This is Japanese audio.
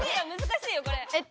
えっ！